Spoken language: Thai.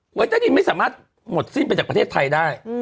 วยใต้ดินไม่สามารถหมดสิ้นไปจากประเทศไทยได้